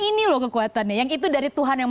ini loh kekuatannya yang itu dari tuhan yang